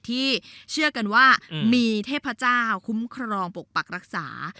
ที่เชื่อกันว่ามีเทพเจ้าคุ้มครองปกปักรักษา